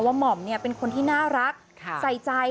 หม่อมเป็นคนที่น่ารักใส่ใจ